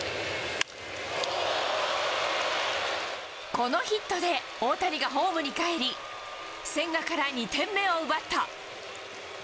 このヒットで大谷がホームにかえり、千賀から２点目を奪った。